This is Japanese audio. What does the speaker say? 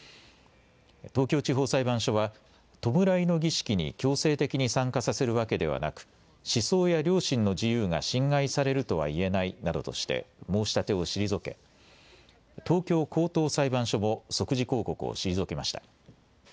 東京地方裁判所は弔いの儀式に強制的に参加させるわけではなく思想や良心の自由が侵害されるとはいえないなどとして申し立てを退け、東京高等裁判所も即時抗告を退けました。